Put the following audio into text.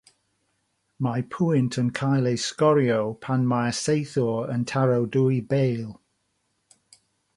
Mae pwynt yn cael ei sgorio pan mae'r saethwr yn taro dwy bêl.